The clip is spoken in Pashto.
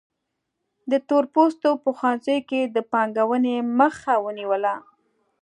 د تور پوستو په ښوونځیو کې د پانګونې مخه ونیوله.